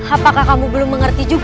apakah kamu belum mengerti juga